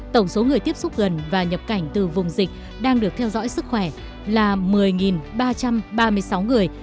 tổng số người tiếp xúc gần và nhập cảnh từ vùng dịch đang được theo dõi sức khỏe là một mươi ba trăm ba mươi sáu người